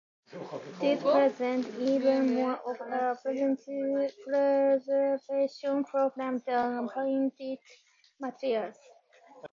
These present even more of a preservation problem than printed materials.